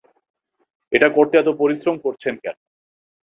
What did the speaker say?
এটা করতে এতো পরিশ্রম করছেন কেন?